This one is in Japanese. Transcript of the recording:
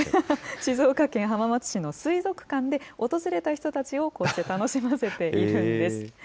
静岡県浜松市の水族館で、訪れた人たちをこうして楽しませているんです。